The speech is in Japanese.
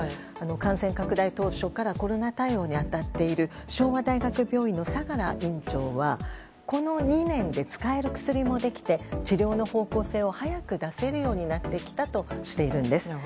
感染拡大当初からコロナ対応に当たっている昭和大学病院の相良院長はこの２年で使える薬もできて治療の方向性を早く出せるようになってきたとしているんです。